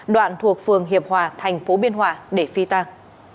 đoạn thuộc phường hiệp hòa thành phố biên hòa để phi tàng